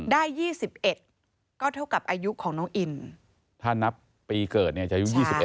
ได้ยี่สิบเอ็ดก็เท่ากับอายุของน้องอินถ้านับปีเกิดเนี้ยจะยุคยี่สิบเอ็ด